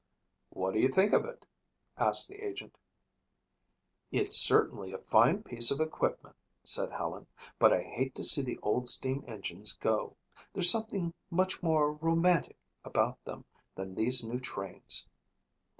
"What do you think of it?" asked the agent. "It's certainly a fine piece of equipment," said Helen, "but I hate to see the old steam engines go. There's something much more romantic about them than these new trains."